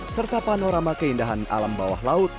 serta panorama keindahan alam bawah laut